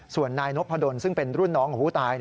ส่วนนายนพดลซึ่งเป็นรุ่นน้องของผู้ตาย